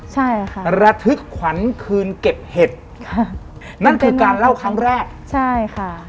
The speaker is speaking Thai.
ใช่ค่ะระทึกขวัญคืนเก็บเห็ดค่ะนั่นคือการเล่าครั้งแรกใช่ค่ะ